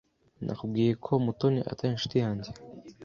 Nakubwiye ko Mutoni atari inshuti yanjye.